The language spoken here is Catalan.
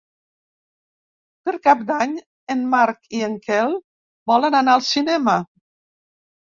Per Cap d'Any en Marc i en Quel volen anar al cinema.